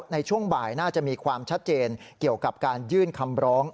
ในช่วงบ่ายน่าจะมีความชัดเจนเกี่ยวกับการยื่นคำร้อง